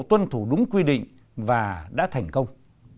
tuân thủ đúng quy định và đã thành công